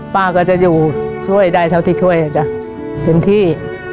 ป้าก็จะอยู่ช่วยได้เท่าที่ช่วยจ้ะเต็มที่